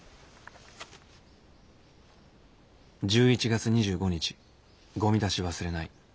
１１月２５日ごみ出し忘れない。